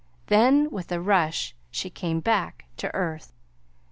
Then with a rush she came back to earth.